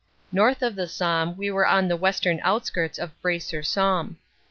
North of the Somme we were on the western outskirts of Bray sur Somme.